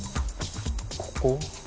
ここ？